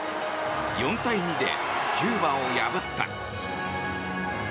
４対２でキューバを破った。